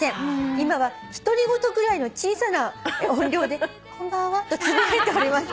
「今は独り言ぐらいの小さな音量で『こんばんは』とつぶやいております」